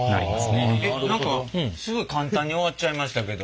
えっ何かすごい簡単に終わっちゃいましたけど。